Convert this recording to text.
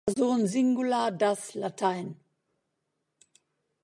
Person Singular das lat.